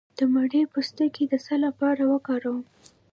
د مڼې پوستکی د څه لپاره وکاروم؟